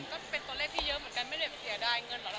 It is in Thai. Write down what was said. ก็เป็นตัวเลขที่เยอะเหมือนกันไม่ได้เสียดายเงินหรอก